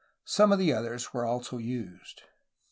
Some of the others were also used.